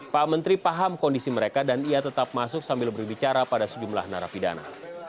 pak menteri paham kondisi mereka dan ia tetap masuk sambil berbicara pada sejumlah narapidana